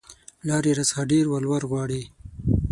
پلار يې راڅخه ډېر ولور غواړي